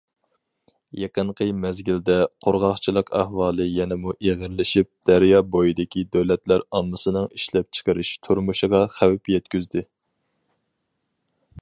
يېقىنقى مەزگىلدە، قۇرغاقچىلىق ئەھۋالى يەنىمۇ ئېغىرلىشىپ، دەريا بويىدىكى دۆلەتلەر ئاممىسىنىڭ ئىشلەپچىقىرىش، تۇرمۇشىغا خەۋپ يەتكۈزدى.